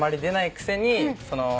「くせに」？